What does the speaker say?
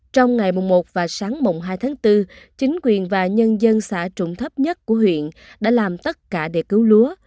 trong ngày mùng một và sáng mùng hai tháng bốn chính quyền và nhân dân xã trụng thấp nhất của huyện đã làm tất cả để cứu lúa